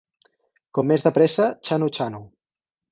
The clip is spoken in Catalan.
Com més de pressa, xano-xano.